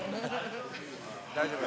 大丈夫？